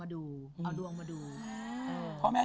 แต่ที่เป็นคนพี่อายุประมาณนี้